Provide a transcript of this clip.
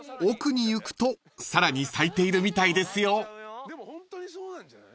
［奥に行くとさらに咲いているみたいですよ］